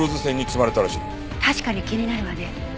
確かに気になるわね。